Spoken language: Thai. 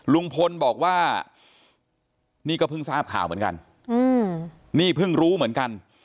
ลุงพลบอกว่านี่ก็เพิ่งทราบข่าวเหมือนกันนี่เพิ่งรู้เหมือนกัน